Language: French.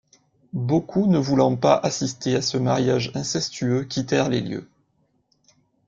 Beaucoup ne voulant pas assister à ce mariage incestueux quittèrent les lieux.